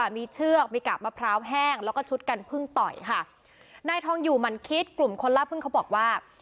มีเชือกมีกาบมะพร้าวแห้งแล้วก็ชุดกันพึ่งต่อยค่ะนายทองอยู่หมั่นคิดกลุ่มคนล่าพึ่งเขาบอกว่า